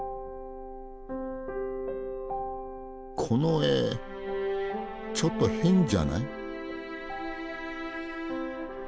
この絵ちょっと変じゃない？